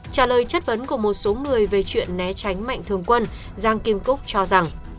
trả lời chất vấn của một số người về chuyện né tránh mạnh thường quân giang kim cúc cho rằng